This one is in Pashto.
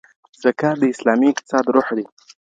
زکات د اسلامي اقتصاد روح دی.